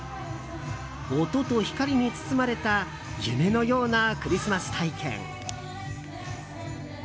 音と光に包まれた夢のようなクリスマス体験。